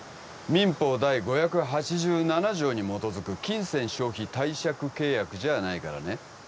民法第５８７条に基づく金銭消費貸借契約じゃないからね